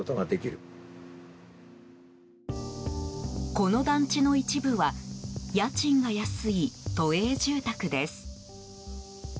この団地の一部は家賃が安い都営住宅です。